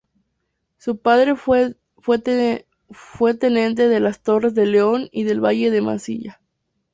Su padre fue tenente de las Torres de León y del valle de Mansilla.